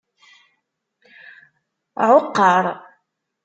Ɛuqqer.